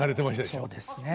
そうですね。